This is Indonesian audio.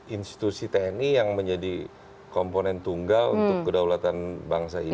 institusi tni yang menjadi komponen tunggal untuk kedaulatan bangsa ini